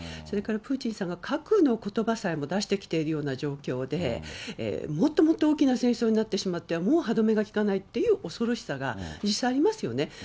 それから、プーチンさんが核のことばさえも出してきているような状況で、もっともっと大きな戦争になってしまっては、もう歯止めが利かないっていう恐ろしさが実際ありますよね。